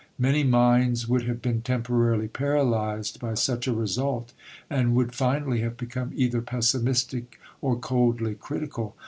Many minds would have been temporarily paralysed by such a result, and would finally have become either pessimistic or coldly critical.